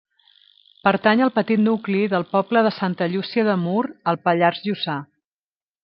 Pertany al petit nucli del poble de Santa Llúcia de Mur al Pallars Jussà.